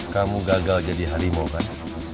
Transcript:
kamu gagal jadi harimau kan